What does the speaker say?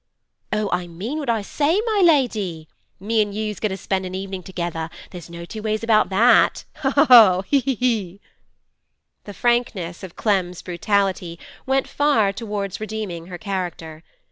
Oh, I mean what I say, my lady! Me an' you's a goin' to spend a evenin' together, there's no two ways about that. He ho! he he!' The frankness of Clem's brutality went far towards redeeming her character.